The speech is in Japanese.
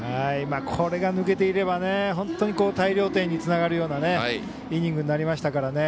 これが抜けていれば本当に大量点につながるようなイニングになりましたから。